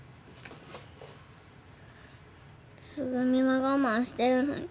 つぐみは我慢してるのに。